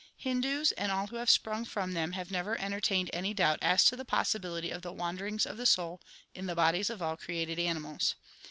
Hindus, and all who have sprung from them, have never entertained any doubt as to the possibility of the wanderings of the soul in the bodies of all created animals.